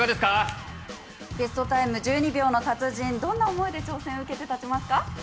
ベストタイム１２秒の達人、どんな想いで挑戦、受けて立ちますか。